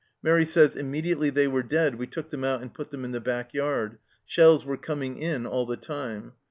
Mairi says :" Im mediately they were dead we took them out and put them in the back yard ; shells were coming in all the time.